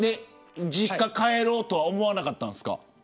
実家に帰ろうとは思わなかったんですか。